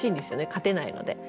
勝てないので。